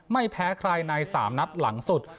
ไม่แพ้ใครใน๓นัดหลังสุด